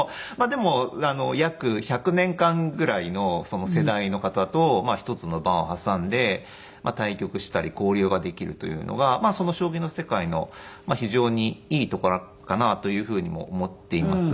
でも約１００年間ぐらいのその世代の方と１つの盤を挟んで対局したり交流ができるというのが将棋の世界の非常にいいところかなというふうにも思っています。